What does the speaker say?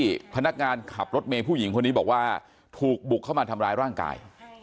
ที่พนักงานขับรถเมย์ผู้หญิงคนนี้บอกว่าถูกบุกเข้ามาทำร้ายร่างกาย